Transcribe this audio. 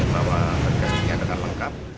maka perikasannya akan lengkap